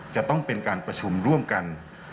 จะต้องเป็นการประชุมร่วมกัน